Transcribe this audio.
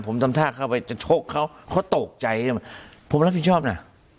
ผมทำท่าเข้าไปจะโดนเขาเขาตกใจผมรับผิดชอบนะ